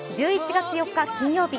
１１月４日金曜日。